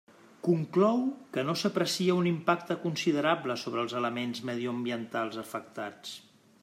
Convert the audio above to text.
Conclou que no s'aprecia un impacte considerable sobre els elements mediambientals afectats.